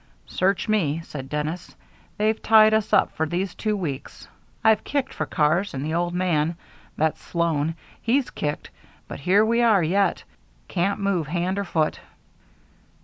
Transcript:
"Search me," said Dennis. "They've tied us up for these two weeks. I've kicked for cars, and the old man that's Sloan he's kicked, but here we are yet can't move hand or foot."